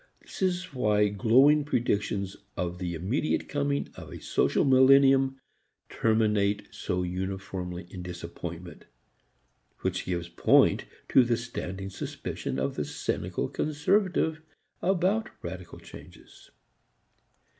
This is why glowing predictions of the immediate coming of a social millennium terminate so uniformly in disappointment, which gives point to the standing suspicion of the cynical conservative about radical changes.